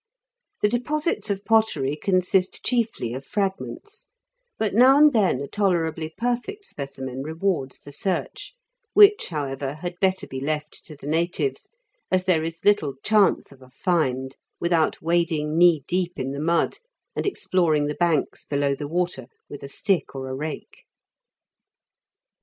The deposits of pottery consist chiefly of fragments, but now and then a tolerably perfect specimen rewards the search, which, however, had better be left to the natives, as there is little chance of a "find" without 76 IN KENT WITE CHABLE8 DICKENS, wading knee deep in the mud, and exploring the banks, below the water, with a stick or a fake.